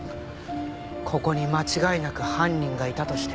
ここに間違いなく犯人がいたとして。